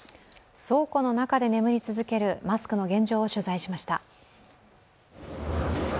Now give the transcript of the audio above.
倉庫の中で眠り続けるマスクの現状を取材しました。